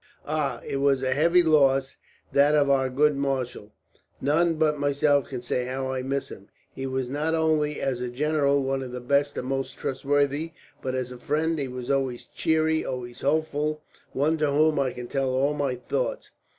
"Ah! it was a heavy loss, that of our good marshal. None but myself can say how I miss him. He was not only, as a general, one of the best and most trustworthy; but as a friend he was always cheery, always hopeful, one to whom I could tell all my thoughts.